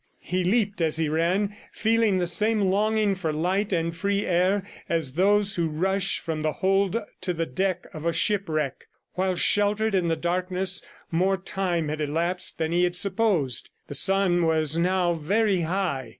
He leaped as he ran, feeling the same longing for light and free air as those who rush from the hold to the deck of a shipwreck. While sheltered in the darkness more time had elapsed than he had supposed. The sun was now very high.